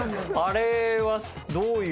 あれはどういう？